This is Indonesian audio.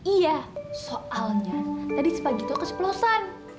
iya soalnya tadi si pak gito keceplosan